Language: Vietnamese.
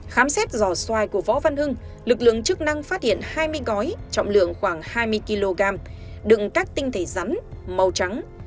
khám xét giòa của võ văn hưng lực lượng chức năng phát hiện hai mươi gói trọng lượng khoảng hai mươi kg đựng các tinh thể rắn màu trắng